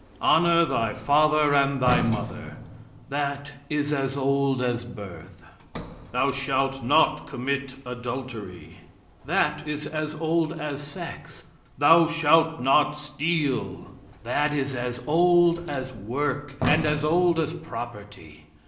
"Honor thy father and thy mother." That is as old as birth. "Thou shalt not commit adultery." That is as old as sex. "Thou shalt not steal." That is as old as work, and as old as property.